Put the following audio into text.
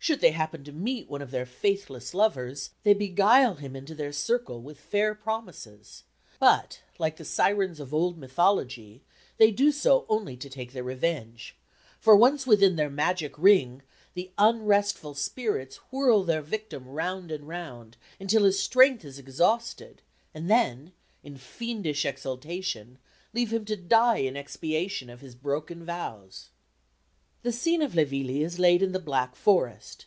Should they happen to meet one of their faithless lovers, they beguile him into their circle with fair promises; but, like the sirens of old mythology, they do so only to take their revenge; for once within their magic ring, the unrestful spirits whirl their victim round and round until his strength is exhausted, and then in fiendish exultation leave him to die in expiation of his broken vows. The scene of Le Villi is laid in the Black Forest.